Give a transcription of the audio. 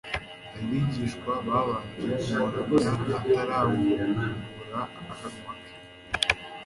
Abigishwa babanje kumuramya atarabumbura akanwa ke;